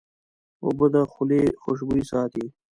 اوبه د خولې خوشبویي ساتي.